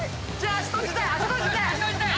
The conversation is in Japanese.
足閉じて！